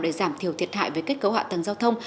để giảm thiểu thiệt hại về kết cấu hạ tầng giao thông